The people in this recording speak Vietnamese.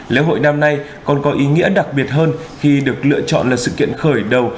lễ hội năm nay còn có ý nghĩa đặc biệt hơn khi được lựa chọn là sự kiện khởi đầu